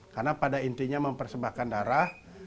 karena pada intinya mempersembahkan darah